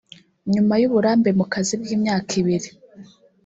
nyuma y’uburambe mu kazi bw’imyaka ibiri